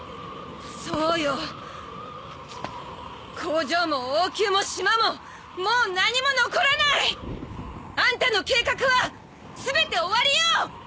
そうよ工場も王宮も島ももう何も残らないアンタの計画は全て終わりよ！